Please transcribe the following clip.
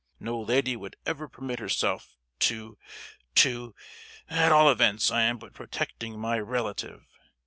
No lady would ever permit herself to—to—. At all events I am but protecting my relative.